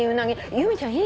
由美ちゃんいい？